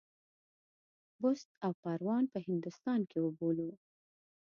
بُست او پروان په هندوستان کې وبولو.